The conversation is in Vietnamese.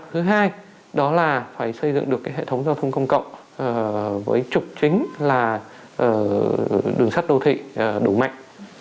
thứ hai đó là phải xây dựng được hệ thống giao thông công cộng với trục chính là đường sắt đô thị đủ mạnh